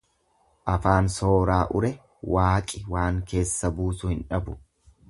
Afaan sooraa ure Waaqi waan keessa buusu hin dhabu.